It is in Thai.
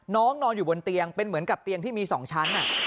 นอนอยู่บนเตียงเป็นเหมือนกับเตียงที่มี๒ชั้น